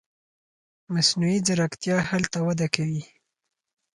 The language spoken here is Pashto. مصنوعي ځیرکتیا هلته وده کوي.